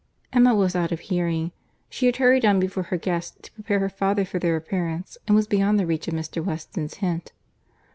Emma was out of hearing. She had hurried on before her guests to prepare her father for their appearance, and was beyond the reach of Mr. Weston's hint.